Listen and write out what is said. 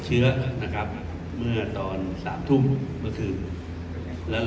เชื้อนะครับเมื่อตอนสามทุ่มเมื่อคืนแล้ว